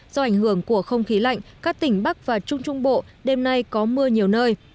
do ảnh hưởng của không khí lạnh các tỉnh bắc và trung trung bộ đêm nay có mưa nhiều nơi